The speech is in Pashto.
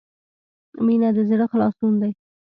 • مینه د زړۀ خلاصون دی.